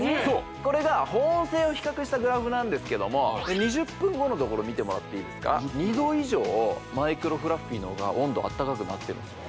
これが保温性を比較したグラフなんですけども２０分後のところ見てもらっていいですか２℃以上マイクロフラッフィーのほうが温度温かくなってるんですよ